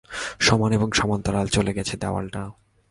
সমান এবং সমান্তরাল চলে গেছে দেয়ালটা।